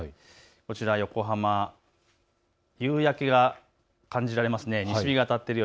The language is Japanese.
こちら横浜、夕焼けが感じられますね。